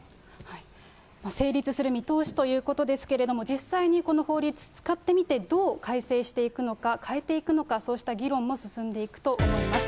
成立する見通しということですけれども、実際にこの法律、使ってみて、どう改正していくのか、変えていくのか、そうした議論も進んでいくと思います。